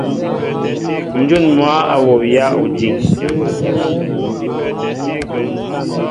Njŭn mwă a wowya ojiŋ.